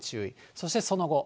そしてその後。